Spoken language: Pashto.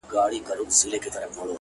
كه څه هم په دار وځړوو!!